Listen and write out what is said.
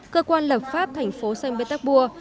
cơ quan lập pháp thành phố sơn bế tắc bua